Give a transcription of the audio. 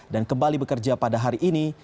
dan kembali bekerja pada hari ini